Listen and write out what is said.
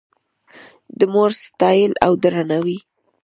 د مور ستایل او درناوی